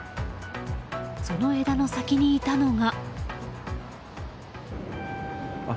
その枝の先にいたのが。